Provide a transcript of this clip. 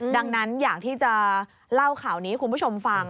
ดังนั้นอยากที่จะเล่าข่าวนี้ให้คุณผู้ชมฟัง